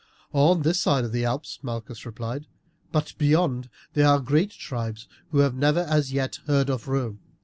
"On this side of the Alps," Malchus replied, "but beyond are great tribes who have never as yet heard of Rome.